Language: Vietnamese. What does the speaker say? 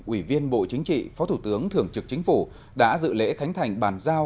ủy viên bộ chính trị phó thủ tướng thường trực chính phủ đã dự lễ khánh thành bàn giao